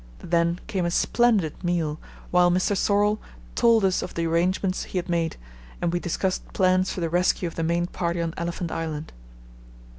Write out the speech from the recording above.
Then came a splendid meal, while Mr. Sorlle told us of the arrangements he had made and we discussed plans for the rescue of the main party on Elephant Island.